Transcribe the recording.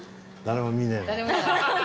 誰も見ない。